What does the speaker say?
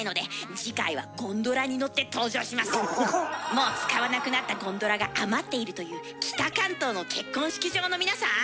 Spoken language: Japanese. もう使わなくなったゴンドラが余っているという北関東の結婚式場の皆さん